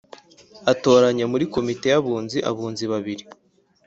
Atoranya muri komite y abunzi abunzi babiri